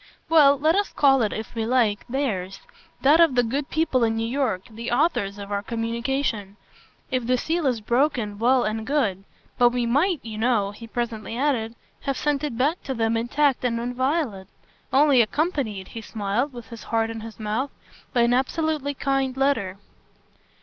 "Well, let us call it, if we like, theirs that of the good people in New York, the authors of our communication. If the seal is broken well and good; but we MIGHT, you know," he presently added, "have sent it back to them intact and inviolate. Only accompanied," he smiled with his heart in his mouth, "by an absolutely kind letter."